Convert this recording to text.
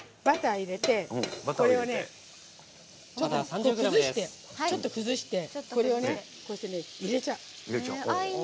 これをちょっと崩してこれをね、こうして入れちゃう。